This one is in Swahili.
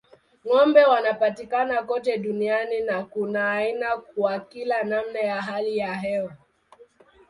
Ng'ombe wanapatikana kote duniani na kuna aina kwa kila namna ya hali ya hewa.